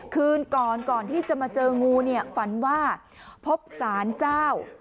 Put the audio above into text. คืนก่อนที่จะมาเจองูฝันว่าพบสารเจ้า